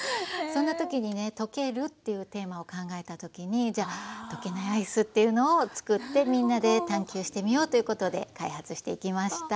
そんな時にね溶けるというテーマを考えた時にじゃ溶けないアイスっていうのを作ってみんなで探究してみようということで開発していきました。